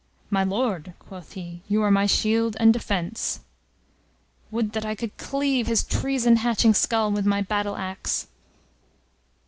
'My Lord,' quoth he, 'you are my shield and defence.' Would that I could cleave his treason hatching skull with my battle axe."